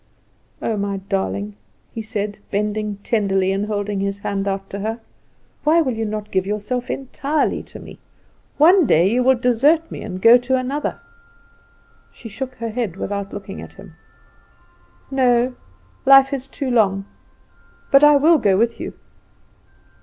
"Oh, my darling," he said, bending tenderly, and holding his hand out to her, "why will you not give yourself entirely to me? One day you will desert me and go to another." She shook her head without looking at him. "No, life is too long. But I will go with you."